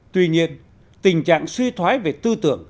tuy nhiên tình trạng suy thoái về tư tưởng